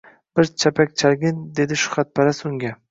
— Bir chapak chalgin, — dedi shuhratparast unga.